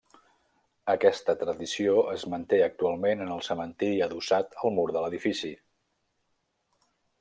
Aquesta tradició es manté actualment en el cementiri adossat al mur de l'edifici.